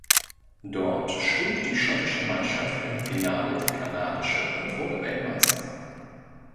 Dort schlug die schottische Mannschaft im Finale die kanadische und wurde Weltmeister.